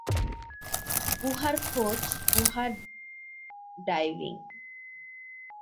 গুহার খোঁজ, গুহা ডাইভিং।